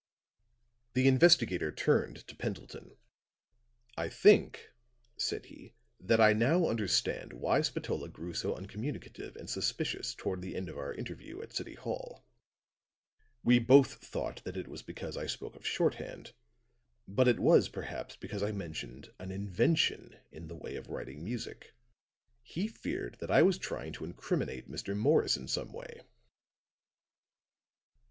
The investigator turned to Pendleton. "I think," said he, "that I now understand why Spatola grew so uncommunicative and suspicious toward the end of our interview at City Hall. We both thought it was because I spoke of shorthand. But it was perhaps because I mentioned an invention in the way of writing music. He feared that I was trying to incriminate Mr. Morris in some way."